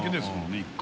１回。